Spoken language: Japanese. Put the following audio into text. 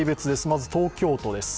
まず、東京都です。